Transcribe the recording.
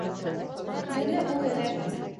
Բունը ուղիղ է։